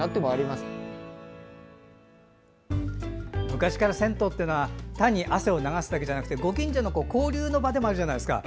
昔から銭湯というのは単に汗を流すだけじゃなくてご近所の交流の場でもあるじゃないですか。